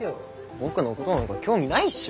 僕のごどなんか興味ないっしょ。